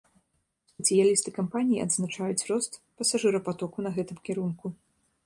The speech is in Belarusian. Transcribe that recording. Спецыялісты кампаніі адзначаюць рост пасажырапатоку на гэтым кірунку.